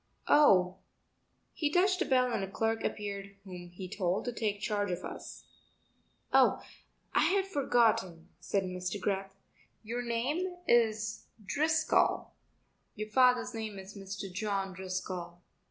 "Oh...." He touched a bell and a clerk appeared whom he told to take charge of us. "Oh, I had forgotten," said Mr. Greth, "your name is Driscoll; your father's name is Mr. John Driscoll."